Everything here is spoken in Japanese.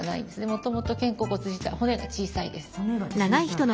もともと肩甲骨自体骨が小さいです。